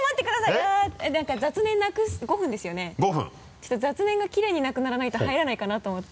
ちょっと雑念がきれいになくならないと入らないかなと思って。